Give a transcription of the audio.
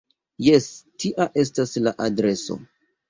Jes, tia estas la adreso.